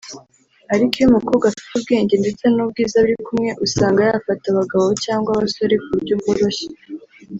Ariko iyo umukobwa afite ubwenge ndetse n’ubwiza biri kumwe usanga yafata abagabo cyangwa abasore ku buryo bworoshye